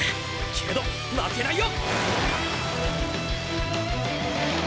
けど負けないよ。